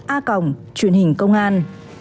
a cồng truyện hình công an